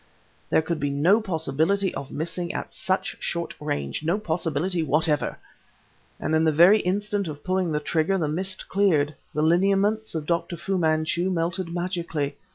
There could be no possibility of missing at such short range, no possibility whatever ... and in the very instant of pulling the trigger the mist cleared, the lineaments of Dr. Fu Manchu melted magically.